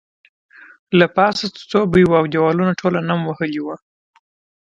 له پاسه څڅوبی وو او دیوالونه ټول نم وهلي وو